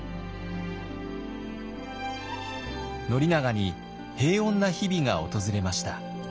宣長に平穏な日々が訪れました。